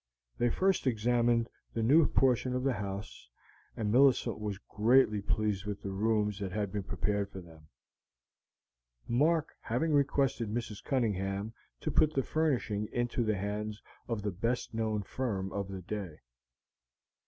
They first examined the new portion of the house, and Millicent was greatly pleased with the rooms that had been prepared for them, Mark having requested Mrs. Cunningham to put the furnishing into the hands of the best known firm of the day.